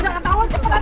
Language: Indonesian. jangan tawa cepetan